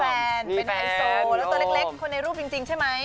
แล้วตัวเล็กคนในรูปจริงใช่มั้ย